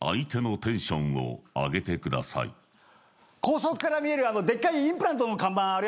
高速から見えるあのでっかいインプラントの看板あるやろ？